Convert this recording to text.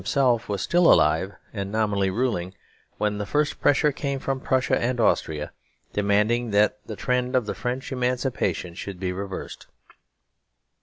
himself was still alive and nominally ruling when the first pressure came from Prussia and Austria, demanding that the trend of the French emancipation should be reversed.